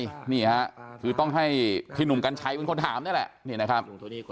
คิดต้องเค้งให้พี่นุมกันใช้หนูต้องถามนี่นะครับ